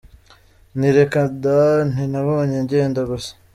Nti reka da, nti nabonye ngenda gusa.